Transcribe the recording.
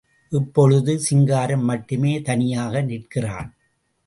இப்பொழுது சிங்காரம் மட்டுமே தனியாக நிற்கிறான்.